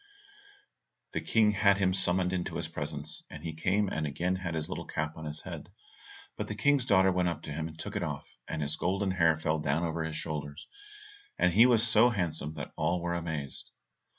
The King had him summoned into his presence, and he came and again had his little cap on his head. But the King's daughter went up to him and took it off, and then his golden hair fell down over his shoulders, and he was so handsome that all were amazed.